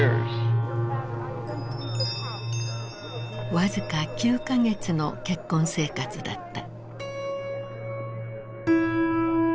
僅か９か月の結婚生活だった。